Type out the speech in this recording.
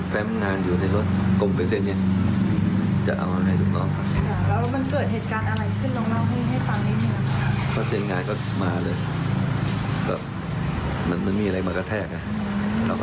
ฟาด๓คนนะแต่พอใส่หมวกกับน็อค